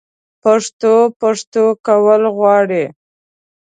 پښتو؛ پښتو کول غواړي